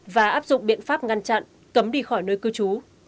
và áp dụng biện pháp ngăn chặn cấm đi khỏi nơi cư trú